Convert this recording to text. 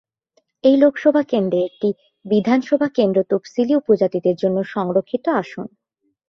এই লোকসভা কেন্দ্রের একটি বিধানসভা কেন্দ্র তফসিলী উপজাতিদের জন্য সংরক্ষিত আসন।